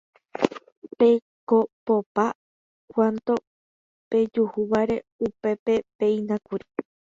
pekopopa cuanto pejuhúvare upépepeínakuri